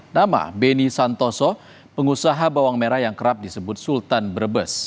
nama beni santoso pengusaha bawang merah yang kerap disebut sultan brebes